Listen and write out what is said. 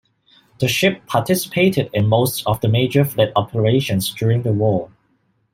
The ship participated in most of the major fleet operations during the war.